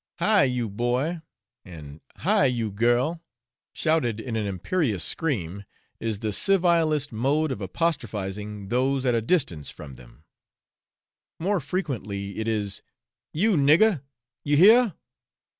'Hi! you boy!' and 'Hi! you girl!' shouted in an imperious scream, is the civillest mode of apostrophising those at a distance from them; more frequently it is 'You niggar, you hear?